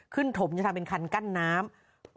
ขึ้นถบเป็นคัน้ำกั้นน้ำ